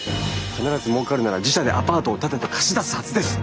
必ずもうかるなら自社でアパートを建てて貸し出すはずです！